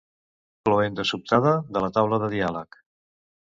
Cloenda sobtada de la taula de diàleg.